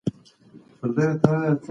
د مېګرین نښې څو ساعته وروسته پیلېږي.